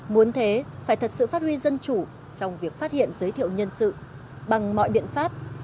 muốn thế phải thật sự phát huy dân chủ trong việc phát hiện giới thiệu nhân sự bằng mọi biện pháp